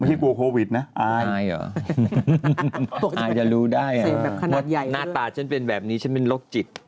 ที่กลัวโควิดนะอายเหรออายจะรู้ได้หน้าตาฉันเป็นแบบนี้ฉันเป็นโรคจิต